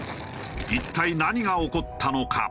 一体何が起こったのか？